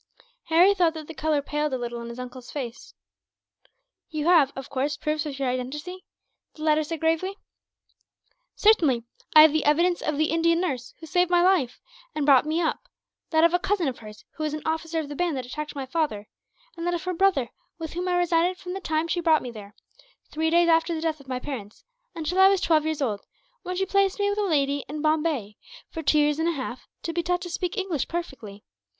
Harry thought that the colour paled a little in his uncle's face. "You have, of course, proofs of your identity?" the latter said, gravely. "Certainly. I have the evidence of the Indian nurse who saved my life, and brought me up; that of a cousin of hers, who was an officer of the band that attacked my father; and that of her brother, with whom I resided from the time she brought me there three days after the death of my parents until I was twelve years old, when she placed me with a lady in Bombay, for two years and a half, to be taught to speak English perfectly.